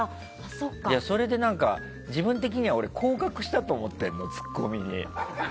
それで、自分的には降格したと思ってるのツッコミに。